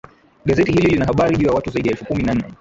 gazeti hili lina habari juu ya watu zaidi ya elfu kumi na nne